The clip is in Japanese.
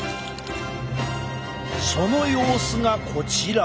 その様子がこちら。